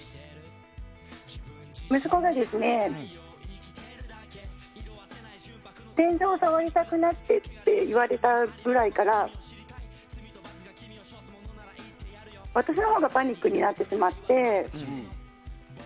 息子に天井触りたくなってって言われたぐらいから私のほうがパニックになってしまって。